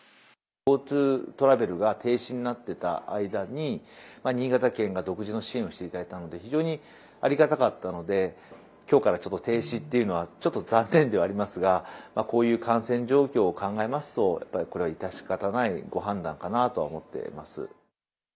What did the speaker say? ＧｏＴｏトラベルが停止になってた間に、新潟県が独自の支援をしていただいたので、非常にありがたかったので、きょうからちょっと停止というのは、ちょっと残念ではありますが、こういう感染状況を考えますと、やっぱりこれは致し方ないご判断かなと思っています。